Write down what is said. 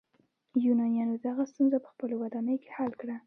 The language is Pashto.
یونانیانو دغه ستونزه په خپلو ودانیو کې حل کړه.